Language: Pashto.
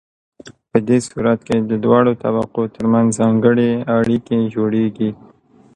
په دې صورت کې د دواړو طبقو ترمنځ ځانګړې اړیکې جوړیږي.